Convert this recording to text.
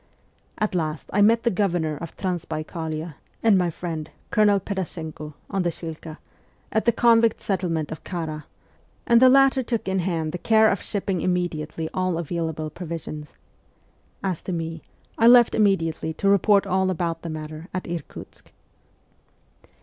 At last I met the Governor of Transbaikalia, and my friend, Colonel Pedashenko, on the Shilka, at the convict settlement of Kara, and the latter took in hand the care of shipping immediately all available provisions. As to me, I left immediately to report all about the matter at Irkutsk.